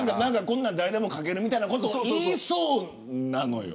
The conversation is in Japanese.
こんなん誰でも描けるということを言いそうなのよ。